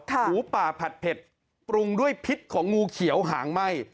หมูป่าผัดเผ็ดปรุงด้วยพิษของงูเขียวหางไหม้